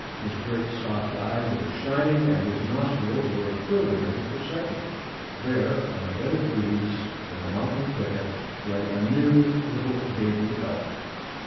His great soft eyes were shining, and his nostrils were quivering with excitement. There, on a bed of leaves in the mountain thicket, lay a new little baby elk.